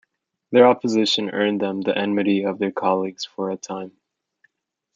Their opposition earned them the enmity of their colleagues for a time.